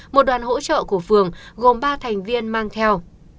một đoàn hỗ trợ của phường gồm ba thành viên mang theo